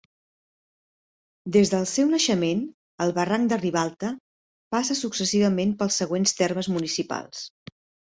Des del seu naixement, el Barranc de Ribalta passa successivament pels següents termes municipals.